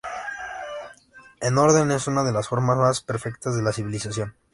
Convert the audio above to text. El orden es una de las formas más perfectas de la civilización".